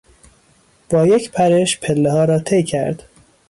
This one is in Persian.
با یک پرش پلهها را طی کرد.